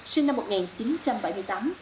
sinh năm một nghìn chín trăm bảy mươi tám